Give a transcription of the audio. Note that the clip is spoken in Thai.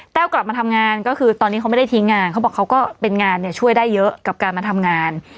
กลับมาทำงานก็คือตอนนี้เขาไม่ได้ทิ้งงานเขาบอกเขาก็เป็นงานเนี่ยช่วยได้เยอะกับการมาทำงาน